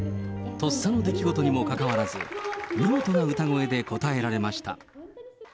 とっさの出来事にもかかわらず、見事な歌声で応えられました。